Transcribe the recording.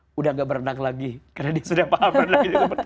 sudah tidak berenang lagi karena dia sudah paham berenang